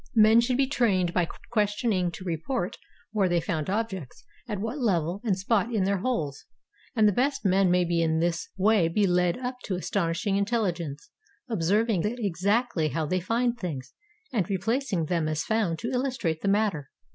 Men should be trained by questioning to report where they foimd objects, at what level and spot in their holes; and the best men may in this way be led up to astonishing intelligence, observ ing exactly how they find things, and replacing them as found to illustrate the matter.